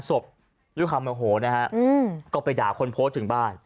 ศพด้วยความโมโหนะฮะก็ไปด่าคนโพสต์ถึงบ้าน